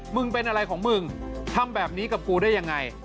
มันเป็นอะไรของมึงทำแบบนี้กับกูได้ยังไง